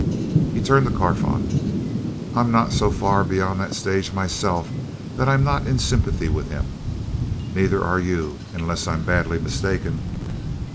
He turned to Carfon. "I'm not so far beyond that stage myself that I'm not in sympathy with him. Neither are you, unless I'm badly mistaken."